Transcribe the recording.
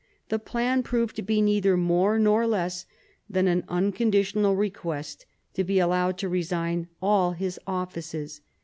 The plan proved to be neither more nor less than an unconditional request to be allowed to resign all his offices.